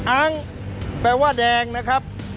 อ้างแปลว่าแดงนะครับ